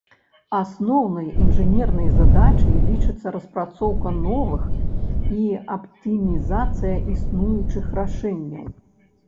Асноўнай інжынернай задачай лічыцца распрацоўка новых і аптымізацыя існуючых рашэнняў.